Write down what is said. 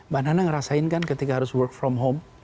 mbak nana ngerasain kan ketika harus work from home